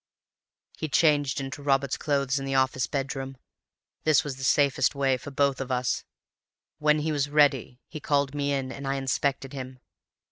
"He changed into Robert's clothes in the office bedroom. This was the safest way—for both of us. When he was ready, he called me in, and I inspected him.